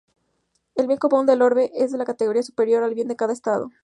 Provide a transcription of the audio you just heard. El bien común del orbe es de categoría superior al bien de cada estado.